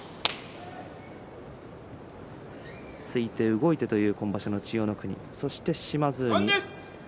突いて動いてという今場所の千代の国そして島津海。